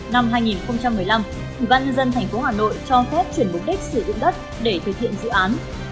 năm hai nghìn một mươi năm ủy ban nhân dân tp hà nội cho phép chuyển mục đích sử dụng đất để thực hiện dự án